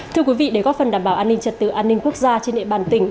thưa quý vị để góp phần đảm bảo an ninh trật tự an ninh quốc gia trên địa bàn tỉnh